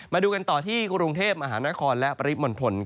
มาดูกันต่อที่กรุงเทพมหานครและปริมณฑล